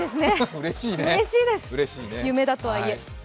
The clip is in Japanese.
うれしいです、夢だとはいえ。